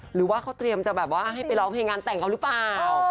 หรือว่าเขาเตรียมจะแบบว่าให้ไปร้องเพลงงานแต่งเขาหรือเปล่า